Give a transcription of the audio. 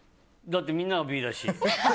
だってみんながＢだし。